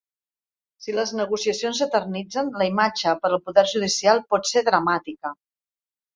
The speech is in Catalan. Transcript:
Si les negociacions s’eternitzen, la imatge per al poder judicial pot ser dramàtica.